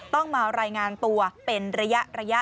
ต้องมารายงานตัวเป็นระยะ